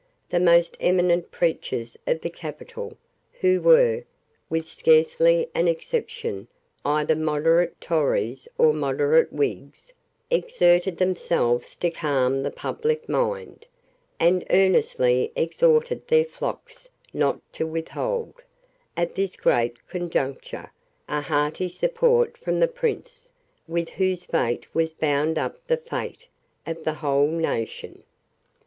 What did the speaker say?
The most eminent preachers of the capital, who were, with scarcely an exception, either moderate Tories or moderate Whigs, exerted themselves to calm the public mind, and earnestly exhorted their flocks not to withhold, at this great conjuncture, a hearty support from the prince, with whose fate was bound up the fate of the whole nation.